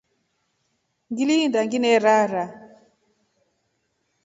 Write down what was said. Ngirenda ngilirara.